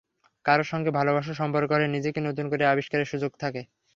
কারও সঙ্গে ভালোবাসার সম্পর্ক হলে নিজেকে নতুন করে আবিষ্কারের সুযোগ থাকে।